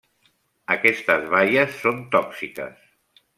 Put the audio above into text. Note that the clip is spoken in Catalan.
Aquestes baies són tòxiques.